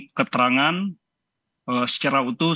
memberikan keterangan secara utuh